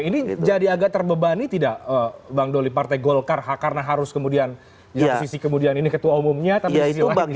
tapi ini juga memperbebani bang doli partai golkar karena harus kemudian di posisi kemudian ini ketua umumnya tapi disitulah ini